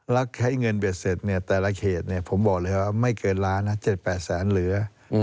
แล้วไขเงินเบ็ดเสร็จเนี่ยแต่ละเขตพูดเลยไม่เกินละ๗๘แสนเหลือ